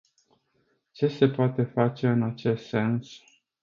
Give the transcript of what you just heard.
Ce se poate face în acest sens?